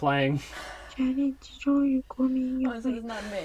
权力集中于国民议会。